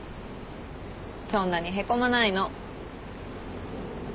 そんなにへこまないの。